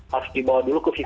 harus dibawa dulu ke